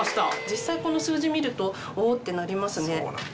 実際この数字見るとお！ってなりますね。